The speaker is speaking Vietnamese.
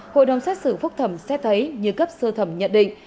hội đồng xét xử phúc thẩm xét thấy như cấp sơ thẩm nhận định